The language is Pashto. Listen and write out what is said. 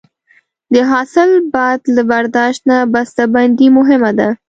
د حاصل بعد له برداشت نه بسته بندي مهمه ده.